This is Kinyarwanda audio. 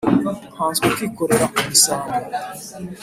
nkanswe kwikorera umusambi!